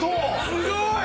「すごい！」